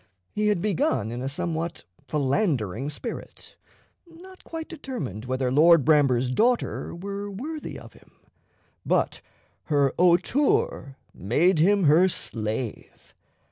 He had begun in a somewhat philandering spirit, not quite determined whether Lord Bramber's daughter were worthy of him; but her hauteur made him her slave.